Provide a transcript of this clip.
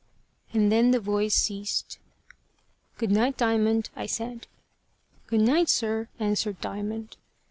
And then the voice ceased. "Good night, Diamond," I said. "Good night, sir," answered Diamond.